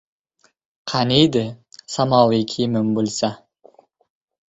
Qaniydi, samoviy kiyimim boʻlsa –